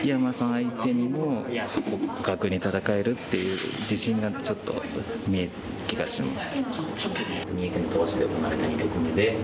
相手にも互角に戦えるっていう自信がちょっと見える気がします。